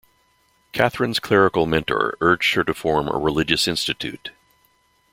Catherine's clerical mentor urged her to form a religious institute.